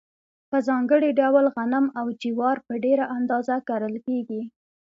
په ځانګړي ډول غنم او جوار په ډېره اندازه کرل کیږي.